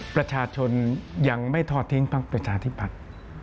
ประชาชนยังไม่ทอดทิ้งพักประชาธิปัตย์